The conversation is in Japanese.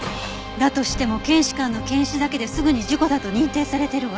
だとしても検視官の検視だけですぐに事故だと認定されてるわ。